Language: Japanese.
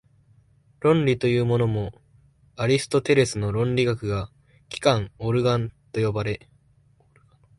論理というものも、アリストテレスの論理学が「機関」（オルガノン）と呼ばれ、